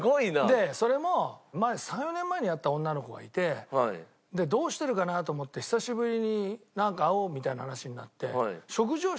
でそれも３４年前に会った女の子がいてどうしてるかなと思って久しぶりに会おうみたいな話になって。